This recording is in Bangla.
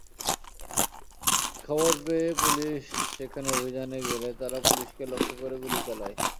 খবর পেয়ে পুলিশ সেখানে অভিযানে গেলে তারা পুলিশকে লক্ষ্য করে গুলি চালায়।